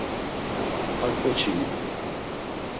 Ar ǩoçi idu.